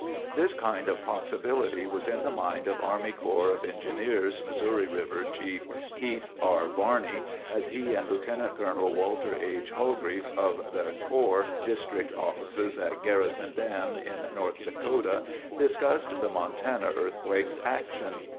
This kind of possibility was in the mind of Army Corps of Engineers Missouri River Chief Keith R. Barney as he and Lt. Col. Walter W. Holgrefe of the Corps district offices at Garrison Dam in North Dakota, discussed the Montana earthquake's action.